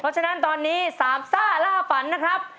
เพราะฉะนั้นตอนนี้๓ซ่าล่าฝันนะครับ